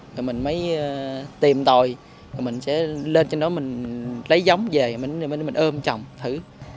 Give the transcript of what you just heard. rồi mình mới tìm tòi rồi mình sẽ lên trên đó mình lấy giống về mình ươm trồng thử